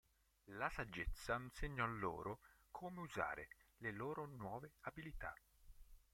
La saggezza insegnò loro come usare le loro nuove abilità.